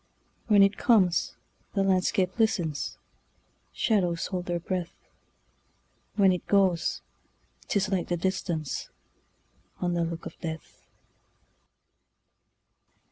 When it comes, the landscape listens, Shadows hold their breath; When it goes, 't is like the distanceOn the look of death.